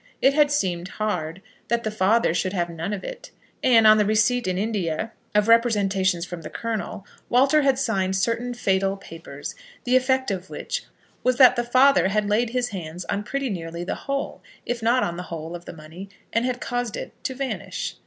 It had seemed hard that the father should have none of it, and, on the receipt in India of representations from the Colonel, Walter had signed certain fatal papers, the effect of which was that the father had laid his hands on pretty nearly the whole, if not on the whole, of the money, and had caused it to vanish.